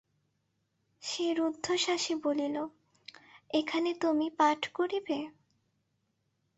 সে রুদ্ধশ্বাসে বলিল, এখানে তুমি পাট করবে?